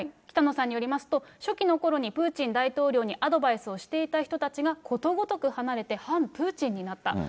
北野さんによりますと、初期のころにプーチン大統領にアドバイスをしていた人たちがことごとく離れて、反プーチンになった。